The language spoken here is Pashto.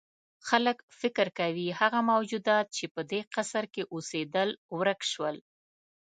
خلک فکر کوي هغه موجودات چې په دې قصر کې اوسېدل ورک شول.